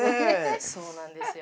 そうなんですよ。